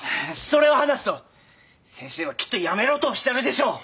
それを話すと先生はきっとやめろとおっしゃるでしょう。